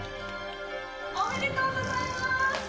おめでとうございます！